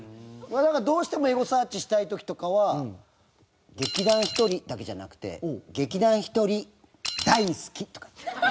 なんかどうしてもエゴサーチしたい時とかは「劇団ひとり」だけじゃなくて「劇団ひとり大好き」とか。